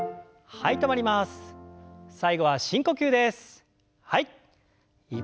はい。